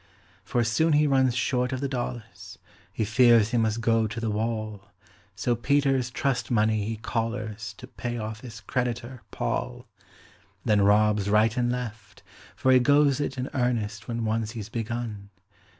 For soon he runs short of the dollars, He fears he must go to the wall; So Peter's trust money he collars To pay off his creditor, Paul; Then robs right and left for he goes it In earnest when once he's begun.